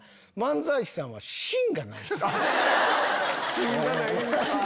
芯がないんか。